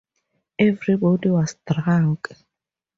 Everybody was drunk.